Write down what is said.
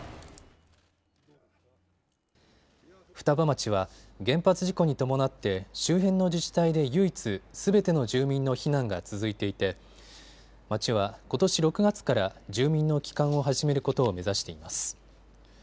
双葉町は原発事故に伴って周辺の自治体で唯一、すべての住民の避難が続いていて町はことし６月から住民の帰還を始めることを目指しています。